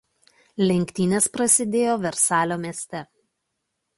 Lenktynės prasidėjo Versalio mieste.